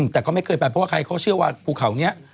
แต่ก็ไม่เคยไปเพราะว่าใครเขาเชื่อว่าภูเขานี้